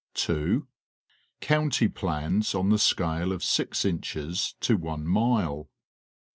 (2) County plans on the scale of six inches to one mile.